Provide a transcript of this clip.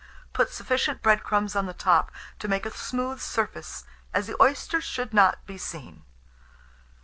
Put sufficient bread crumbs on the top to make a smooth surface, as the oysters should not be seen.